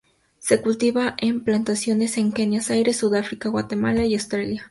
Se cultiva en plantaciones en Kenia, Zaire, Sudáfrica, Guatemala y Australia.